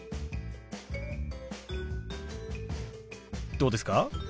どうですか？